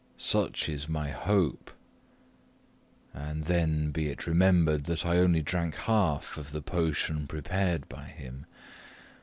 Such is my hope. And then be it remembered that I only drank half of the potion prepared by him.